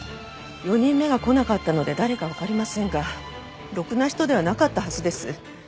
４人目は来なかったので誰かわかりませんがろくな人ではなかったはずです。